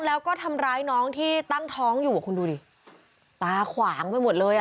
แล้วก็ทำร้ายน้องที่ตั้งท้องอยู่อ่ะคุณดูดิตาขวางไปหมดเลยอ่ะ